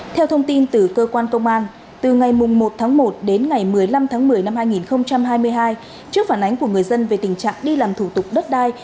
theo thông tin từ cơ quan công an từ ngày một tháng một đến ngày một mươi năm tháng một mươi năm hai nghìn hai mươi hai trước phản ánh của người dân về tình trạng đi làm thủ tục đất đai